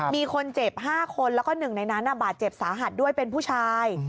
มีคนเจ็บ๕คนแล้วก็หนึ่งในนั้นบาดเจ็บสาหัสด้วยเป็นผู้ชาย